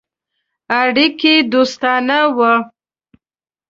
اړیکي دوستانه وه.